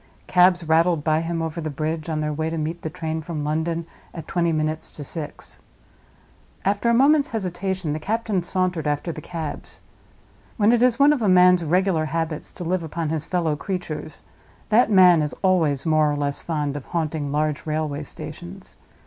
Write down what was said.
Cabs rattled by him over the bridge on their way to meet the train from London, at twenty minutes to six. After a moment's hesitation, the captain sauntered after the cabs. When it is one of a man's regular habits to live upon his fellow creatures, that man is always more or less fond of haunting large railway stations.